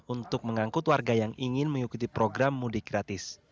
untuk mengangkut warga yang ingin mengikuti program mudik gratis